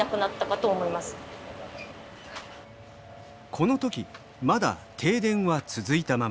この時まだ停電は続いたまま。